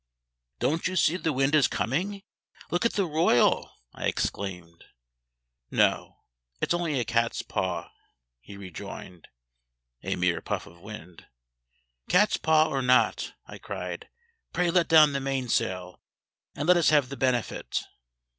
"Don't you see the wind is coming? Look at the royal!" I exclaimed. "No, it is only a cat's paw," he rejoined (a mere puff of wind). "Cat's paw or not," I cried, "pray let down the mainsail, and let us have the benefit!"